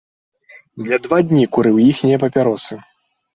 Я два дні курыў іхнія папяросы.